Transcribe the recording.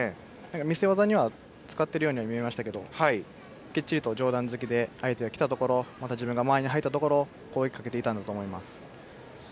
見せ技には使っているように見えましたけどきっちりと上段突きで相手が来たところをまた自分の間合いに入ったところ攻撃をかけたんだと思います。